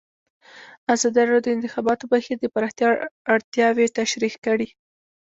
ازادي راډیو د د انتخاباتو بهیر د پراختیا اړتیاوې تشریح کړي.